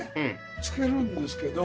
漬けるんですけど。